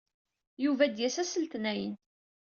Yuba ad d-yas ass n letniyen.